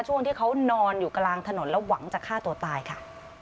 ช่วงที่เขานอนอยู่กลางถนนแล้วหวังจะฆ่าตัวตายค่ะ